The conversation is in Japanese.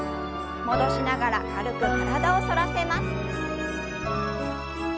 戻しながら軽く体を反らせます。